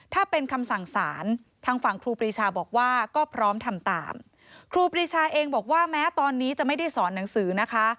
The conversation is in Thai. ถ้าเป็นคำสั่งสารทางฝั่งครูปรีชาบอกว่าก็พร้อมทำตามครูปรีชาเองบอกว่าแม้ตอนนี้จะไม่ได้สอนหนังสือนะคะ